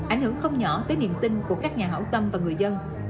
ảnh hưởng không nhỏ tới niềm tin của các nhà hảo tâm và người dân